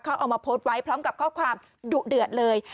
เขาเอามาโพสต์ไว้พร้อมกับข้อความดุเดือดเลย